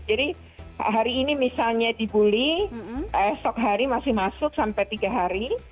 hari ini misalnya dibully esok hari masih masuk sampai tiga hari